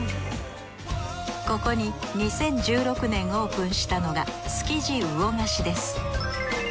ここに２０１６年オープンしたのが築地魚河岸です。